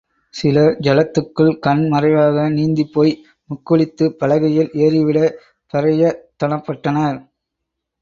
சிலர் ஜலத்துக்குள் கண் மறைவாக நீந்திப்போய் முக்குளித்துப் பலகையில் ஏறிவிடப் பிரயத்தனப்பட்டனர்.